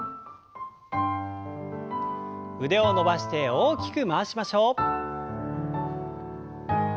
腕を伸ばして大きく回しましょう。